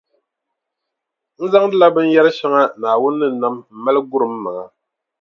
N zaŋdila binyɛrʼ shɛŋa Naawuni ni nam m-mali guri m maŋa.